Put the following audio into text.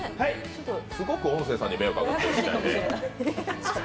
すごく音声さんに迷惑がかかってるみたいで。